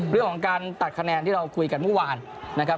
เรื่องของการตัดคะแนนที่เราคุยกันเมื่อวานนะครับ